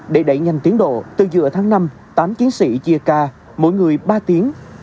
để đẩy nhanh tiến độ từ giữa tháng năm tám chiến sĩ chia ca mỗi người ba tiếng